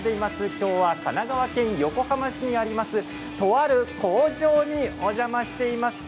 きょうは神奈川県横浜市にあるとある工場にお邪魔しています。